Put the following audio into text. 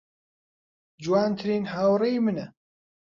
جوانترین هاوڕێی منە.